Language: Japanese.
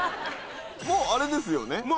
もうあれですよね？